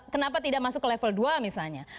kenapa tidak masuk ke level dua misalnya